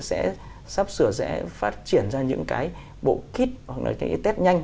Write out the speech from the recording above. sẽ sắp sửa sẽ phát triển ra những cái bộ kit hoặc là cái test nhanh